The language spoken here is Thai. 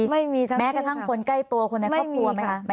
ไม่มีแม้กระทั่งคนใกล้ตัวคนในครอบครัวไหมคะ